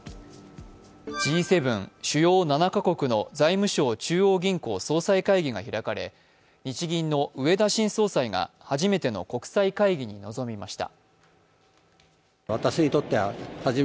Ｇ７＝主要７か国の財務相・中央銀行総裁会議が開かれ日銀の植田新総裁が初めての国際会議に臨みました。